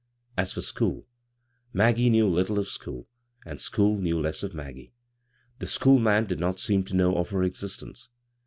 As for school — Maggie knew little of sdiool, and school knew less of Maggie. The " school man " did not seem to know of her existence.